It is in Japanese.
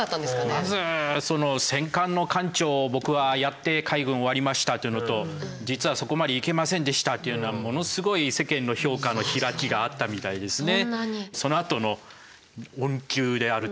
まずその「戦艦の艦長を僕はやって海軍終わりました」っていうのと「実はそこまでいけませんでした」っていうのはものすごい世間の評価の開きがあったみたいですね。